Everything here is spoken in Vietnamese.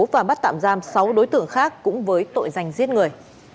và bắt tạm giam sáu đối tượng khác cũng với tội danh giết người